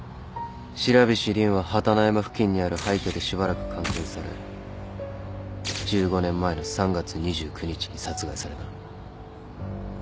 白菱凜は榛野山付近にある廃虚でしばらく監禁され１５年前の３月２９日に殺害された。